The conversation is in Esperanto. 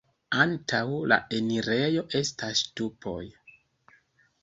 Antaŭ la enirejo estas ŝtupoj.